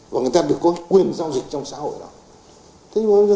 và người ta được có quyền giao dịch trong xã hội đó